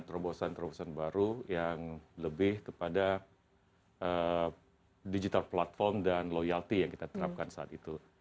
terobosan terobosan baru yang lebih kepada digital platform dan loyalty yang kita terapkan saat itu